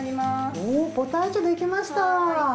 おぉポタージュ出来ました。